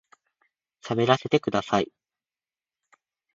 喋らせてください